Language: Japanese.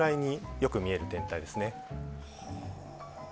よく見える天体ですね。